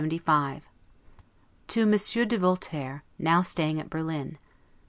LETTER CLXXV TO MONSIEUR DE VOLTAIRE, NOW STAYING AT BERLIN.